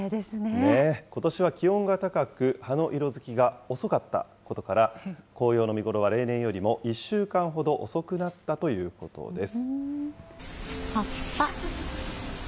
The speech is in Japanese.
ことしは気温が高く、葉の色づきが遅かったことから、紅葉の見頃は例年よりも１週間ほど遅くなったということです。